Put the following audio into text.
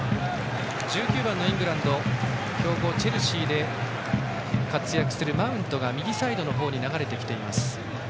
１９番、イングランド強豪チェルシーで活躍するマウントが右サイドに流れてきています。